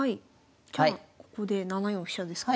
じゃあここで７四飛車ですか。